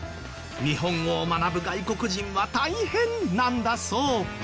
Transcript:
日本語を学ぶ外国人は大変なんだそう。